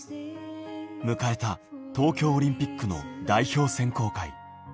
迎えた東京オリンピックの代表選考会。